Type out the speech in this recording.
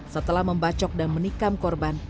setelah membacok dan menikam korban